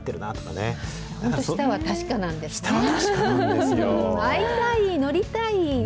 舌は確かなんですね。